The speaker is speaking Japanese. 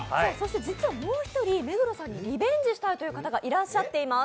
実はもう１人、目黒さんにリベンジしたいという方がいらっしゃっています。